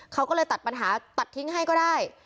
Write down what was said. เขาก็เลยตัดปัญหาตัดทิ้งให้ก็ได้